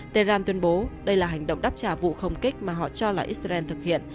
tehran tuyên bố đây là hành động đáp trả vụ không kích mà họ cho là israel thực hiện